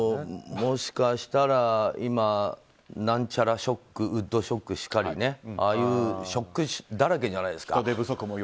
もしかしたら今何ちゃらショックウッドショックしかりああいうショックだらけじゃないですか。